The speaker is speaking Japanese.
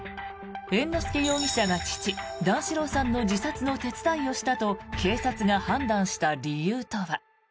猿之助容疑者が父・段四郎さんの自殺の手伝いをしたと警察が判断した理由とは。